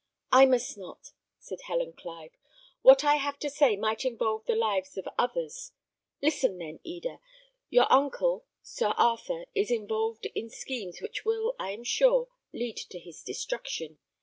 "I must not," said Helen Clive. "What I have to say might involve the lives of others. Listen, then, Helen. Your uncle, Sir Arthur, is involved in schemes which will, I am sure, lead to his destruction.